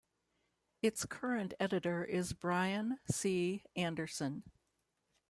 Its current editor is Brian C. Anderson.